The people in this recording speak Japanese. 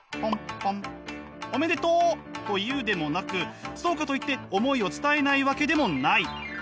「おめでとう！」と言うでもなくそうかといって思いを伝えないわけでもない。